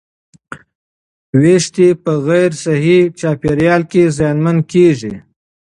ویښتې په غیر صحي چاپېریال کې زیانمن کېږي.